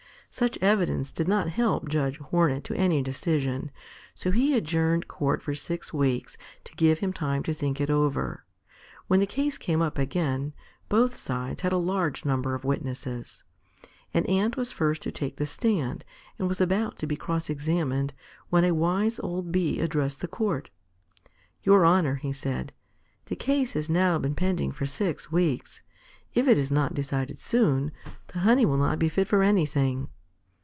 Such evidence did not help Judge Hornet to any decision, so he adjourned court for six weeks to give him time to think it over. When the case came up again, both sides had a large number of witnesses. An Ant was first to take the stand, and was about to be cross examined, when a wise old Bee addressed the Court. "Your honor," he said, "the case has now been pending for six weeks. If it is not decided soon, the honey will not be fit for anything.